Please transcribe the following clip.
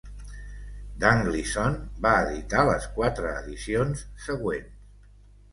Dunglison va editar les quatre edicions següents.